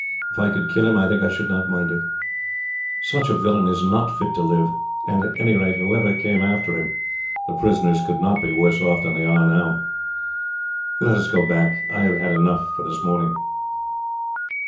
If I could kill him, I think I should not mind it. Such a villain is not fit to live; and at any rate, whoever came after him, the prisoners could not be worse off than they are now. "Let us go back. I have had enough for this morning."